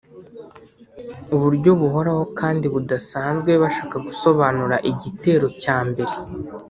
Uburyo buhoraho kandi budasanzwe bashaka gusobanura igitero cya mbere